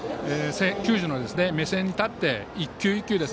球児の目線に立って一球一球